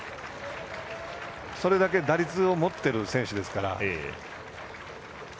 それだけ打率を持ってる選手ですから。